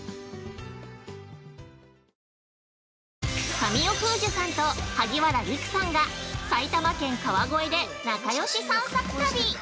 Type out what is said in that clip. ◆神尾楓珠さんと萩原利久さんが埼玉県川越で仲よし散策旅。